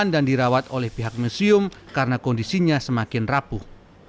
namun ini tidak dirawat oleh pihak museum karena kondisinya semakin rapuh